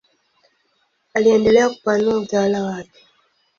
Aliendelea kupanua utawala wake.